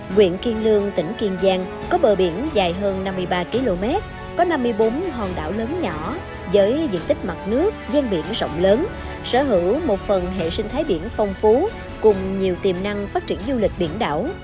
nguyện kiên lương tỉnh kiên giang có bờ biển dài hơn năm mươi ba km có năm mươi bốn hòn đảo lớn nhỏ với diện tích mặt nước gian biển rộng lớn sở hữu một phần hệ sinh thái biển phong phú cùng nhiều tiềm năng phát triển du lịch biển đảo